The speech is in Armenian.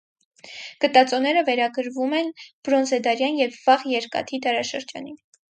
Գտածոները վերագրվում են բրոնզեդարյան և վաղ երկաթի դարաշրջանին։